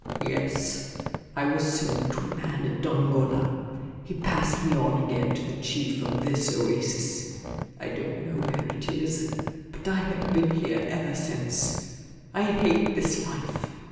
"Yes; I was sold to a man at Dongola. He passed me on again to the chief of this oasis. I don't know where it is ; but I have been here ever since. I hate this life.